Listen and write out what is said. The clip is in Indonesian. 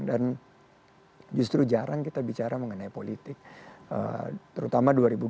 dan justru jarang kita bicara mengenai politik terutama dua ribu dua puluh empat